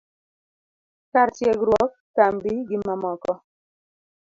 kar tiegruok, kambi, gi mamoko